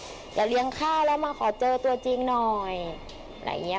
เดี๋ยวเลี้ยงข้าวแล้วมาขอเจอตัวจริงหน่อยอะไรอย่างเงี้